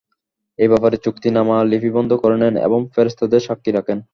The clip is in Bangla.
এ ব্যাপারে চুক্তিনামা লিপিবন্ধ করে নেন এবং ফেরেশতাদের সাক্ষী রাখেন।